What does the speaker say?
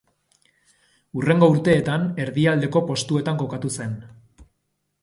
Hurrengo urteetan erdialdeko postuetan kokatu zen.